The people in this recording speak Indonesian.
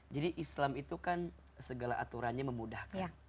jadi islam itu kan segala aturannya memudahkan